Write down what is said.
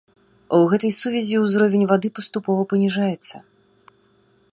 У гэтай сувязі ўзровень вады паступова паніжаецца.